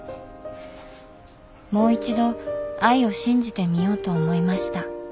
もう一度愛を信じてみようと思いました。